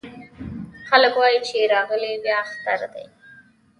خلک وايې چې راغلی بيا اختر دی